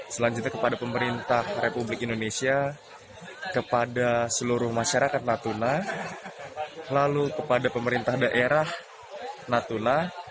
selanjutnya kepada pemerintah republik indonesia kepada seluruh masyarakat natuna lalu kepada pemerintah daerah natuna